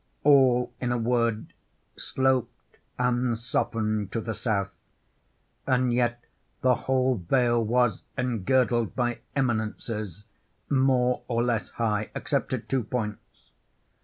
All, in a word, sloped and softened to the south; and yet the whole vale was engirdled by eminences, more or less high, except at two points.